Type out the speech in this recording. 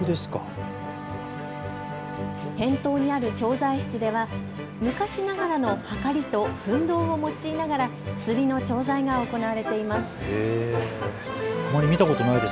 店頭にある調剤室では昔ながらのはかりと分銅を用いながら薬の調剤が行われています。